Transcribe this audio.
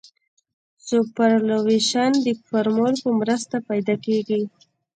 سوپرایلیویشن د فورمول په مرسته پیدا کیږي